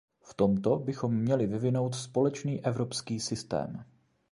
V tomto bychom měli vyvinout společný evropský systém.